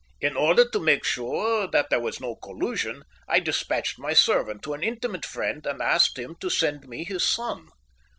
In order to make sure that there was no collusion, I despatched my servant to an intimate friend and asked him to send me his son.